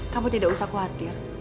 kamu tidak usah khawatir